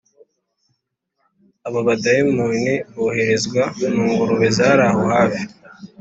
Abo badayimoni boherezwa mungurube z’araho hafi